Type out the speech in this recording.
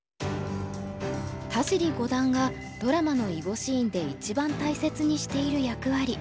田尻五段がドラマの囲碁シーンで一番大切にしている役割